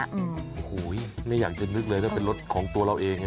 โอ้โหไม่อยากจะนึกเลยถ้าเป็นรถของตัวเราเอง